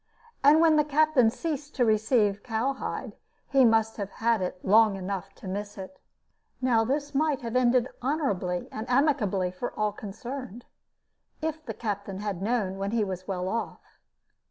And when the captain ceased to receive cowhide, he must have had it long enough to miss it. Now this might have ended honorably and amicably for all concerned, if the captain had known when he was well off.